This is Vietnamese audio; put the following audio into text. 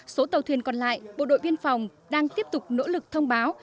số tàu thuyền còn lại bộ đội biên phòng đang tiếp tục nỗ lực thông báo